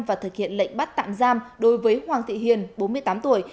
và thực hiện lệnh bắt tạm giam đối với hoàng thị hiền bốn mươi tám tuổi